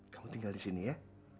kamu tinggal di sini ya